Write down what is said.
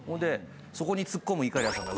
そこにツッコむいかりやさんが。